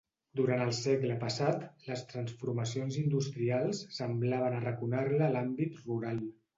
Durant el segle passat, les transformacions industrials semblaven arraconar-la a l’àmbit rural.